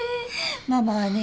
ママはね